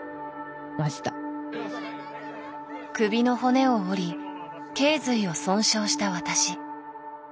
首の骨を折り頸髄を損傷した私。